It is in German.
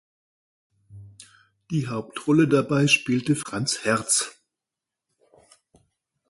Die Hauptrolle dabei spielte Franz Herz.